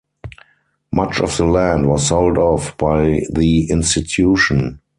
Much of the land was sold off by the institution.